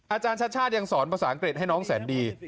อาจารย์ชาติชาติยังสอนภาษาอังกฤษให้น้องแสนดี